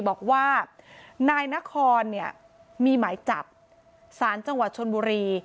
บอกว่านายนครเนี่ยมีหมายจับสารจังหวัดชนบุรี